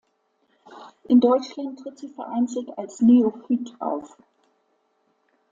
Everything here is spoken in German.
In Deutschland tritt sie vereinzelt als Neophyt auf.